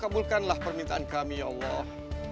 kabulkanlah permintaan kami ya allah